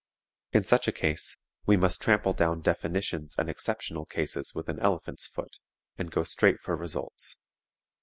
In such a case we must trample down definitions and exceptional cases with an elephant's foot, and go straight for results.